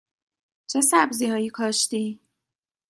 چه سبزی هایی کاشتی؟